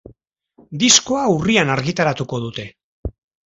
Diskoa urrian argitaratuko dute.